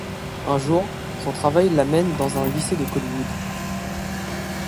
Un jour, son travail la mène dans un lycée de Colwood.